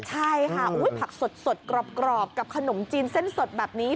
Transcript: ใช่ค่ะผักสดกรอบกับขนมจีนเส้นสดแบบนี้